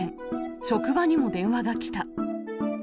職場にも電話が来た。